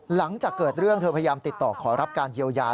หลังจากเกิดเรื่องเธอพยายามติดต่อขอรับการเยียวยา